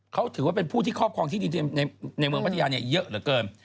เขาถือว่าเป็นผู้ที่ครอบครองที่ดินในเมืองพัทยาเยอะเหลือเกิน